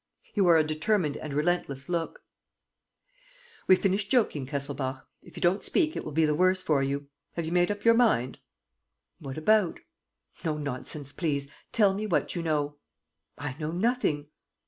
He wore a determined and relentless look: "We've finished joking, Kesselbach. If you don't speak, it will be the worse for you. Have you made up your mind?" "What about?" "No nonsense, please. Tell me what you know." "I know nothing."